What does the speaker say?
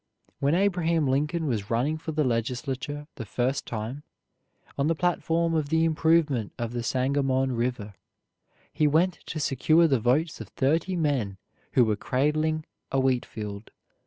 When Abraham Lincoln was running for the legislature the first time, on the platform of the improvement of the Sangamon River, he went to secure the votes of thirty men who were cradling a wheatfield.